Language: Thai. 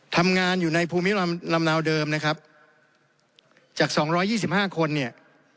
ทำงานอยู่ในภูมิลำเนาเดิมนะครับจากสองร้อยยี่สิบห้าคนเนี่ย